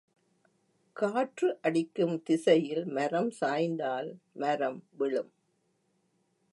காற்று அடிக்கும் திசையில் மரம் சாய்ந்தால் மரம் விழும்.